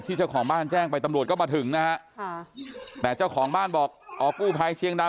เจ้าของบ้านแจ้งไปตำรวจก็มาถึงนะฮะค่ะแต่เจ้าของบ้านบอกอ๋อกู้ภัยเชียงดาว